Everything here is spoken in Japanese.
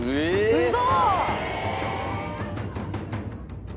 ウソ！？